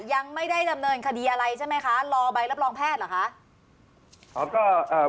ยังไม่ได้ดำเนินคดีอะไรใช่ไหมคะรอใบรับรองแพทย์เหรอคะ